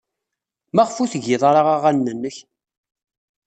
Maɣef ur tgid ara aɣanen-nnek?